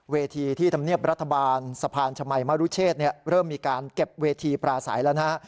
เวทีที่ธรรมเนียบรัฐบาลสะพานชมัยมรุเชษเริ่มมีการเก็บเวทีปราศัยแล้วนะฮะ